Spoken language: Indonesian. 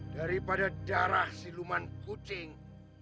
daripada darah siluman kucing